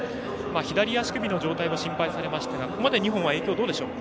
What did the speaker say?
左足首の状態も心配されましたがここまで２本の影響どうでしょう。